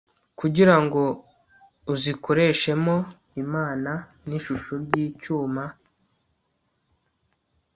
kugira ngo uzikoreshemo imana n'ishusho ry'icyuma